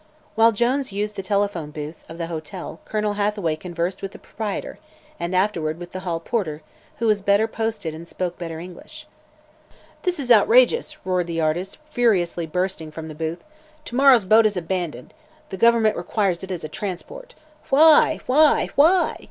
While Jones used the telephone booth of the hotel Colonel Hathaway conversed with the proprietor, and afterward with the hall porter, who was better posted and spoke better English. "This is outrageous!" roared the artist, furiously bursting from the booth. "To morrow's boat is abandoned! The government requires it as a transport. Why? Why? Why?"